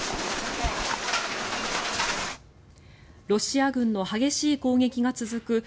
ロシア軍の激しい攻撃が続く